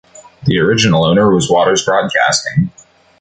The original owner was Waters Broadcasting.